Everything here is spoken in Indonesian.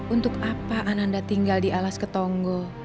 untuk apa ananda tinggal di alas ketongo